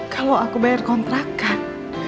kalau aku bayar kontrakan